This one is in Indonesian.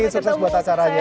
sukses buat acaranya